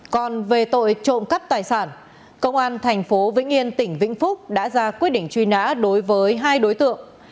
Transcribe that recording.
còn về tội trộm cắp tài sản công an thành phố vĩnh yên tỉnh vĩnh phúc đã ra quyết định truy nã đối với hai đối tượng